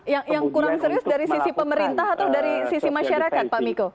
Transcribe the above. yang kurang serius dari sisi pemerintah atau dari sisi masyarakat pak miko